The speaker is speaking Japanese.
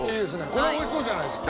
これ美味しそうじゃないですか。